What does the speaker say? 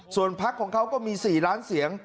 ส่วนพักของเขาก็มี๔ล้านเสียง